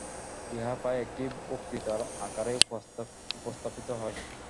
উহা প্রায় একটি বক্তৃতার আকারেই উপস্থাপিত হয়।